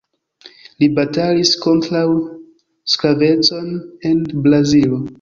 Li batalis kontraŭ sklavecon en Brazilo.